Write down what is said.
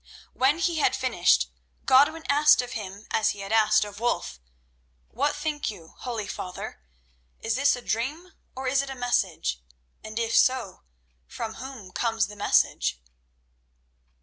When he had finished Godwin asked of him as he had asked of Wulf: "What think you, holy father? Is this a dream, or is it a message? And if so, from whom comes the message?"